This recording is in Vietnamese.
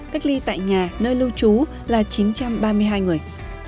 cách ly tại nhà nơi lưu trú là chín trăm ba mươi hai người